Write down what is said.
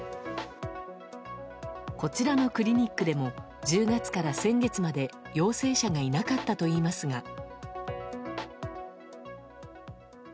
こちらのクリニックでも１０月から先月まで陽性者がいなかったといいますが。